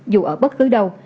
dù ở bất cứ đâu